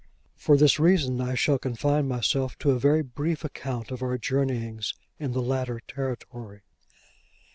For this reason, I shall confine myself to a very brief account of our journeyings in the latter territory.